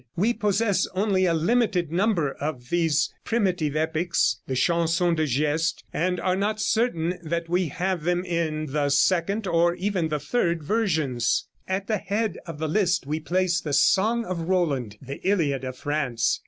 We possess only a limited number of these primitive epics, the Chansons de Geste, and are not certain that we have them in the second or even the third versions. At the head of the list we place the 'Song of Roland,' the Iliad of France.